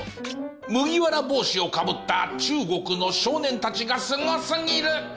麦わら帽子をかぶった中国の少年たちがすごすぎる！